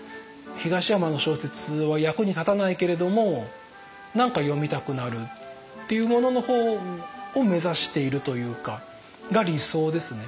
東山の小説は役に立たないけれども何か読みたくなるっていうものの方を目指しているというかが理想ですね。